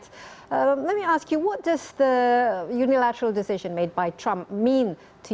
saya ingin bertanya tanya apa perputusan unilateral yang telah trump buat itu